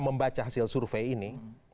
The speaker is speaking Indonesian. membaca hasil survei ini